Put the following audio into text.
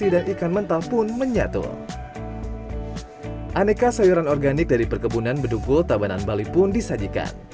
dan mentah pun menyatu aneka sayuran organik dari perkebunan bedugul tabanan bali pun disajikan